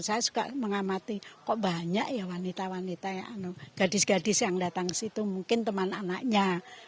saya suka mengamati kok banyak ya wanita wanita gadis gadis yang datang ke situ mungkin teman anaknya